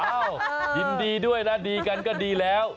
ยินดีด้วยนะดีกันก็ดีแล้ว